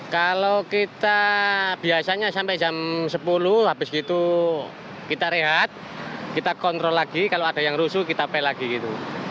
kalau kita biasanya sampai jam sepuluh habis gitu kita rehat kita kontrol lagi kalau ada yang rusuh kita pel lagi gitu